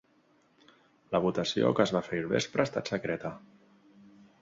La votació, que es va fer ahir al vespre, ha estat secreta.